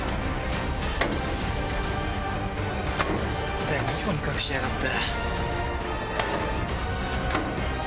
一体どこに隠しやがった？